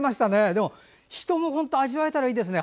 でも、人も味わえたらいいですね。